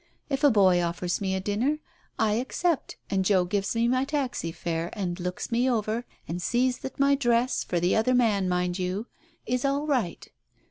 If a boy offers me a dinner, I accept and Joe gives me my taxi fare, and looks me over, and sees that my dress, for the other man, mind you, is all right.